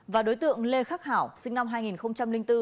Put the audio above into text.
và đối tượng lê khắc hảo sinh năm hai nghìn bốn